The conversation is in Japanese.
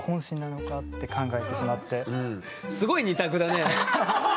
あれはすごい２択だね。